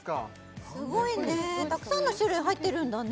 すごいねたくさんの種類入ってるんだね